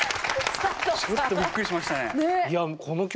ちょっとびっくりしましたね。